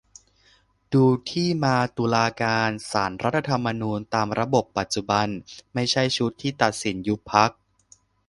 ดูที่มาตุลาการ ศาลรัฐธรรมนูญ ตามระบบปัจจุบัน ไม่ใช่ชุดที่ตัดสินยุบพรรค